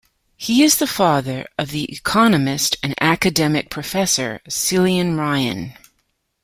He is the father of the economist and academic Professor Cillian Ryan.